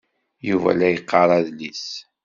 Yuba la yeqqar adlis.